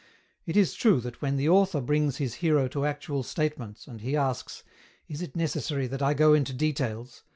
It is true that when the author brings his hero to actual state ments and he asks " Is it necessary that I go into details